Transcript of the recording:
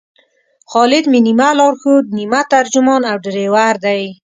خالد مې نیمه لارښود، نیمه ترجمان او ډریور دی.